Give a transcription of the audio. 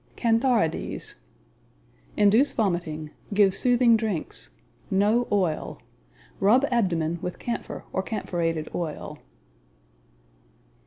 Cantharides Induce vomiting. Give soothing drinks. NO OIL. Rub abdomen with camphor, or camphorated oil.